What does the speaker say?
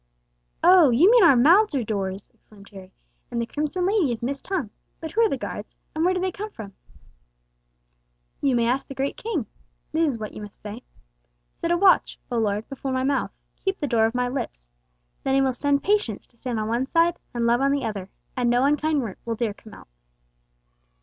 "Oh, you mean our mouths are doors!" exclaimed Harry, "and the crimson lady is Miss Tongue; but who are the guards, and where do they come from?" "You may ask the Great King. This is what you must say: 'Set a watch, O Lord, before my mouth: keep the door of my lips.' Then He will send Patience to stand on one side and Love on the other, and no unkind word will dare come out."